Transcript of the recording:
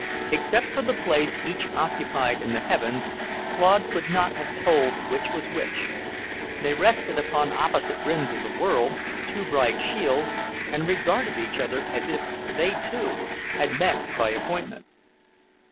Except for the place each occupied in the heavens, Claude could not have told which was which. They rested upon opposite rims of the world, two bright shields, and regarded each other, as if they, too, had met by appointment.